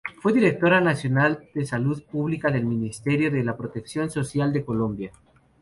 Fue Directora Nacional de Salud Pública del Ministerio de la Protección social de Colombia.